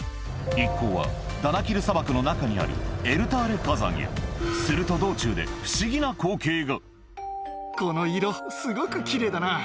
一行はダナキル砂漠の中にあるエルタ・アレ火山へすると道中でこの色すごく。